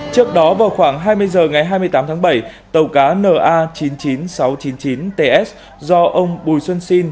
trước đó vào khoảng hai mươi h ngày hai mươi tám tháng bảy tàu cá na chín mươi chín nghìn sáu trăm chín mươi chín ts do ông bùi xuân sinh